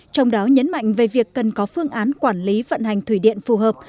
trong đó nhấn mạnh về việc cần có phương án quản lý vận hành thủy điện phù hợp